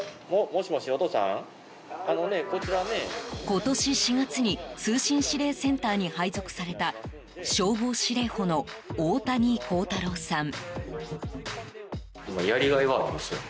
今年４月に通信指令センターに配属された消防司令補の大谷幸太郎さん。